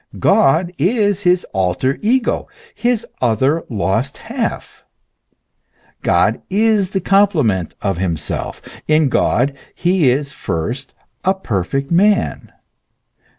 God is his alter ego, his other lost half; God is the complement of himself; in God he is first a perfect man.